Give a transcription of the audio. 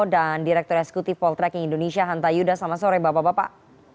dan direktur eksekutif poltrek indonesia hanta yudha selamat sore bapak bapak